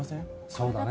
そうだね。